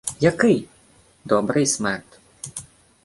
— Який? Добрий смерд.